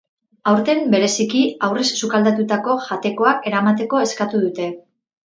Aurten, bereziki aurrez sukaldatutako jatekoak eramateko eskatu dute.